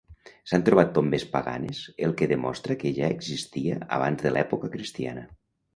S'han trobat tombes paganes el que demostra que ja existia abans de l'època cristiana.